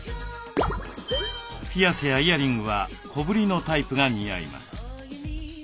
ピアスやイアリングは小ぶりのタイプが似合います。